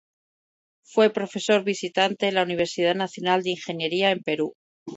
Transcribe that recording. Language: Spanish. Fue profesor visitante en la Universidad Nacional de Ingeniería en Perú.